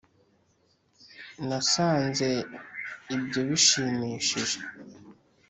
nasanze ibyo bishimishije.